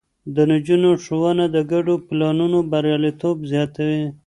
د نجونو ښوونه د ګډو پلانونو برياليتوب زياتوي.